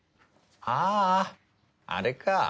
ああれか。